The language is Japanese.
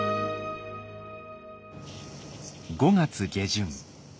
５月下旬。